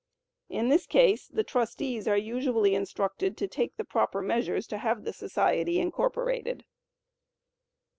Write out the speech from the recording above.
In this case the trustees are usually instructed to take the proper measures to have the society incorporated.